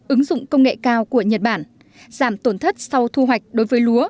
ứng dụng công nghệ cao của nhật bản giảm tổn thất sau thu hoạch đối với lúa